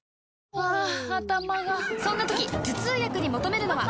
ハァ頭がそんな時頭痛薬に求めるのは？